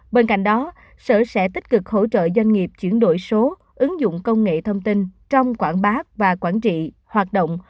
bên cạnh đó sở sẽ tích cực hỗ trợ doanh nghiệp chuyển đổi số ứng dụng công nghệ thông tin trong quảng bá và quản trị hoạt động